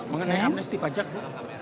mengenai amnesti pajak bu